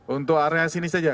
untuk area sini saja